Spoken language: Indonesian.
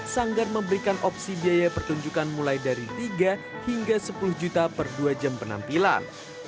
sanggar memberikan opsi biaya pertunjukan mulai dari tiga hingga sepuluh juta per dua jam penampilan